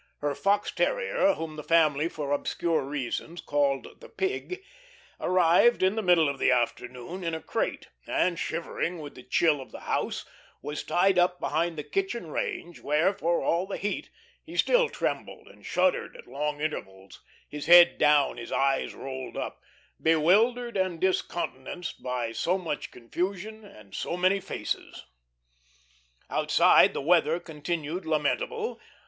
Her fox terrier, whom the family, for obscure reasons, called the Pig, arrived in the middle of the afternoon in a crate, and shivering with the chill of the house, was tied up behind the kitchen range, where, for all the heat, he still trembled and shuddered at long intervals, his head down, his eyes rolled up, bewildered and discountenanced by so much confusion and so many new faces. Outside the weather continued lamentable.